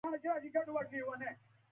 ځینو ټوپکوالو هم په سر کړې وې.